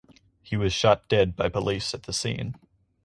He was shot dead by police at the scene.